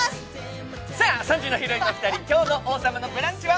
さあ、３時のヒロインのお二人、今日の「王様のブランチ」は？